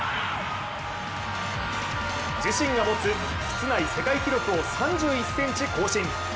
自身が持つ室内世界記録を３１ｃｍ更新。